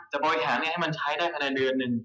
จะบวยขางให้มันใช้ได้แค่ในเดือน